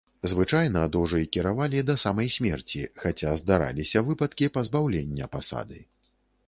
Звычайна дожы кіравалі да самай смерці, хаця здараліся выпадкі пазбаўлення пасады.